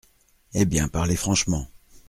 »Eh bien, parlez franchement.